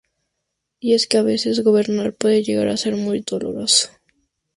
Y es que a veces, gobernar, puede llegar a ser muy doloroso.